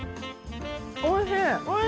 おいしい。